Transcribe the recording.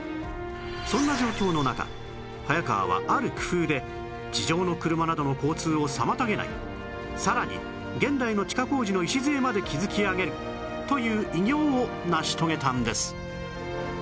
そんな状況の中早川はある工夫で地上の車などの交通を妨げないさらに現代の地下工事の礎まで築き上げるという偉業を成し遂げたんです